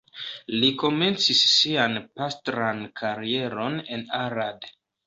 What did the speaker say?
Li komencis sian pastran karieron en Arad.